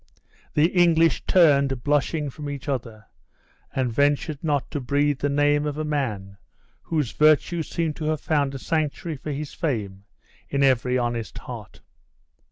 The English turned, blushing, from each other, and ventured not to breathe the name of a man whose virtues seemed to have found a sanctuary for his fame in every honest heart.